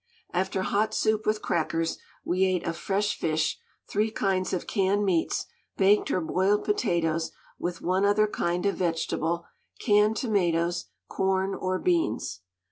After hot soup with crackers, we ate of fresh fish, three kinds of canned meats, baked or boiled potatoes, with one other kind of vegetable, canned tomatoes, corn or beans.